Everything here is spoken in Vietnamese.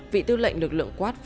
vị tư lệnh lực lượng quát